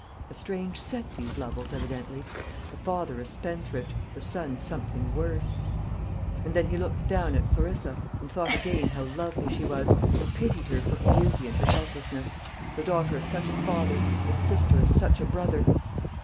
A strange set these Lovels evidently. The father a spendthrift, the son something worse." And then he looked down at Clarissa, and thought again how lovely she was, and pitied her for her beauty and her helplessness the daughter of such a father, the sister of such a brother.